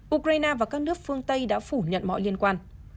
ukraine và các nước phương tây đã phủ nhận mọi liên quan